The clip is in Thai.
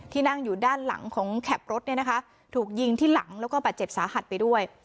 นั่งอยู่ด้านหลังของแคปรถเนี่ยนะคะถูกยิงที่หลังแล้วก็บาดเจ็บสาหัสไปด้วย